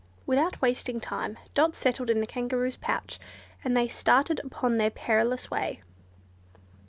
Without wasting time, Dot settled in the Kangaroo's pouch, and they started upon their perilous way.